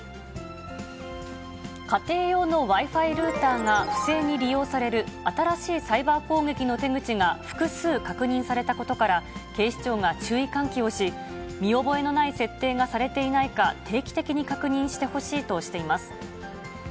家庭用のＷｉ−Ｆｉルーターが不正に利用される新しいサイバー攻撃の手口が複数確認されたことから、警視庁が注意喚起をし、見覚えのない設定がされていないか、定期的に確認してほしいとしています。